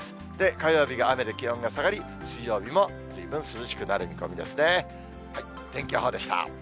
火曜日が雨で気温が下がり、水曜日もずいぶん涼しくなる見込みですね。